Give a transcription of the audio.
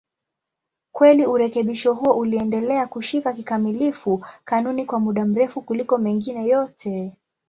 Kweli urekebisho huo uliendelea kushika kikamilifu kanuni kwa muda mrefu kuliko mengine yote.